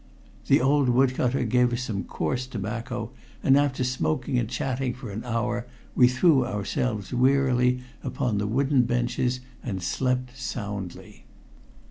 The old wood cutter gave us some coarse tobacco, and after smoking and chatting for an hour we threw ourselves wearily upon the wooden benches and slept soundly.